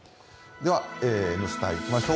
では「Ｎスタ」いきましょう。